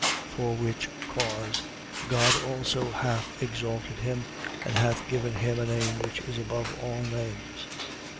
2:9. For which cause, God also hath exalted him and hath given him a name which is above all names: 2:10.